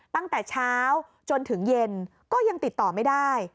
ตั้งแต่เช้าจนถึงเย็นก็ยังติดต่อไม่ได้